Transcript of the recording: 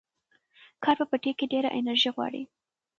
کار په پټي کې ډېره انرژي غواړي.